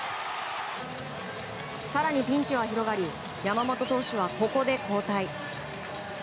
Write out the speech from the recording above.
更にピンチは広がり山本投手は、ここで交代。